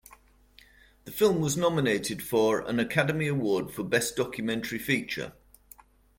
The film was nominated for an Academy Award for Best Documentary Feature.